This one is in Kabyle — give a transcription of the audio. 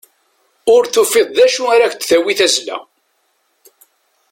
Ur tufiḍ d acu ara k-d-tawi tazzla.